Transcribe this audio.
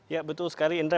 ya betul sekali indra